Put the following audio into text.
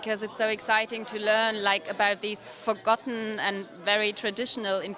karena sangat menarik untuk belajar tentang bahan bahan yang sudah lupa dan sangat tradisional